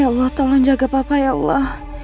ya allah tolong jaga bapak ya allah